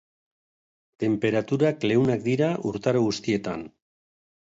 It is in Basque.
Tenperaturak leunak dira urtaro guztietan.